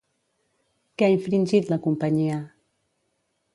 Què ha infringit, la companyia?